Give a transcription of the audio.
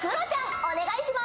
お願いします。